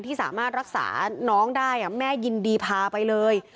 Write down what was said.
ที่สามารถรักษาน้องได้แม่ยินดีพาไปเลย